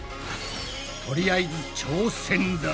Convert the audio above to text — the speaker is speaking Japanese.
とりあえず挑戦だ。